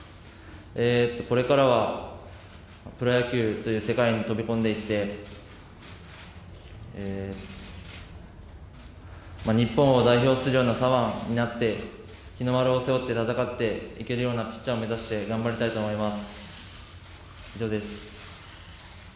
これからはプロ野球という世界に飛び込んでいって日本を代表するような左腕になって日の丸を背負って戦っていけるようなピッチャーを目指して頑張っていきたいと思います。